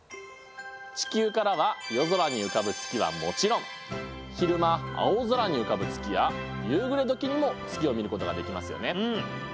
地球からは夜空に浮かぶ月はもちろん昼間青空に浮かぶ月や夕暮れ時にも月を見ることができますよね。